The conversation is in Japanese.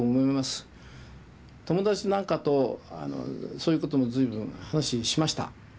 友達なんかとそういうことも随分話しました。